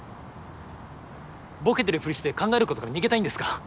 ぼけてるふりして考えることから逃げたいんですか？